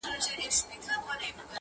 زه.